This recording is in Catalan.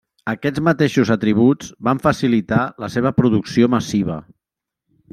Aquests mateixos atributs van facilitar la seva producció massiva.